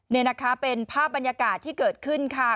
นี่นะคะเป็นภาพบรรยากาศที่เกิดขึ้นค่ะ